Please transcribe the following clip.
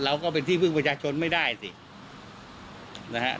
เราก็เป็นที่พึ่งประชาชนไม่ได้สินะฮะ